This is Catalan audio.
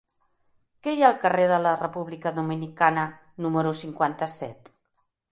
Què hi ha al carrer de la República Dominicana número cinquanta-set?